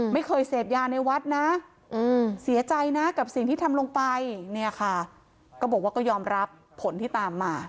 ไม่เคยเสพยาในวัดนะเสียใจนะกับสิ่งที่ทำลงไปเนี่ยค่ะก็บอกว่าก็ยอมรับผลที่ตามมา